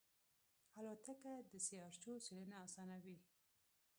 الوتکه د سیارچو څېړنه آسانوي.